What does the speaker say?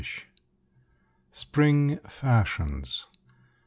SPRING FASHIONS.